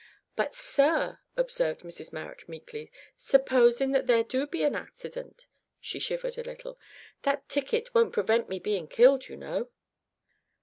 "But, sir," observed Mrs Marrot meekly, "supposin' that there do be an accident," (she shivered a little), "that ticket won't prevent me bein' killed, you know?"